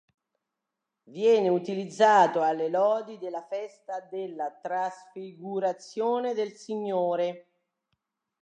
Viene utilizzato alle Lodi della festa della Trasfigurazione del Signore.